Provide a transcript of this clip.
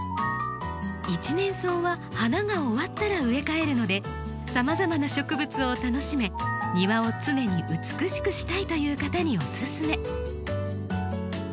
１年草は花が終わったら植え替えるのでさまざまな植物を楽しめ庭を常に美しくしたいという方におすすめ。